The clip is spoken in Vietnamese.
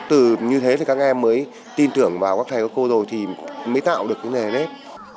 từ như thế thì các em mới tin tưởng vào các thầy cô rồi thì mới tạo được cái này đấy